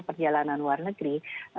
perjalanan luar negeri